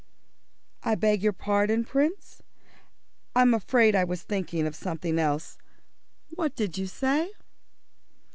"I beg your pardon, Prince? I'm afraid I was thinking of something else. What did you say?"